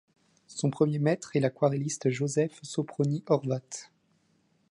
Son premier maître est l'aquarelliste József Soproni Horváth.